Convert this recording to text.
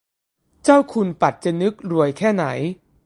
เจ้าคุณปัจจนึก รวยแค่ไหน